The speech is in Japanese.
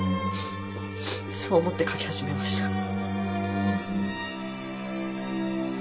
そう思って描き始めました。